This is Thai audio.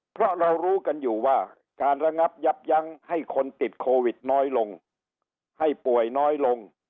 เพราะเรารู้กันอยู่ว่าการระงับยับยั้งให้คนติดโควิดน้อยลงให้ป่วยน้อยลง